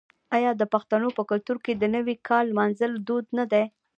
آیا د پښتنو په کلتور کې د نوي کال لمانځل دود نه دی؟